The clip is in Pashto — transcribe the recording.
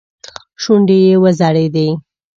شونډې يې وځړېدې.